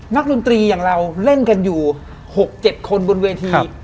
ดนตรีอย่างเราเล่นกันอยู่๖๗คนบนเวที